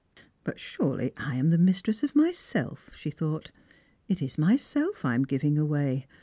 " But surely I am the mistress of myself," she thought. "It is myself I am giving away.